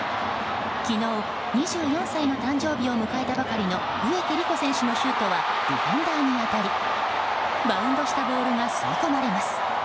昨日、２４歳の誕生日を迎えたばかりの植木理子選手のシュートはディフェンダーに当たりバウンドしたボールが吸い込まれます。